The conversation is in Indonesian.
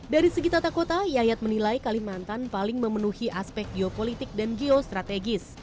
dari segi tata kota yayat menilai kalimantan paling memenuhi aspek geopolitik dan geostrategis